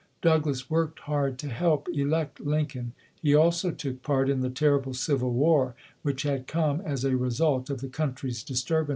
Douglass worked hard to help elect Lincoln. He also took part in the terrible Civil War, which had come as a result of the country's disturbances.